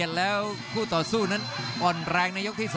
รับทราบบรรดาศักดิ์